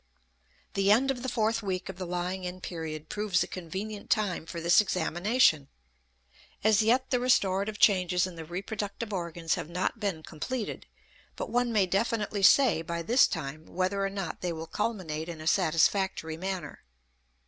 The end of the fourth week of the lying in period proves a convenient time for this examination. As yet the restorative changes in the reproductive organs have not been completed, but one may definitely say by this time whether or not they will culminate in a satisfactory manner.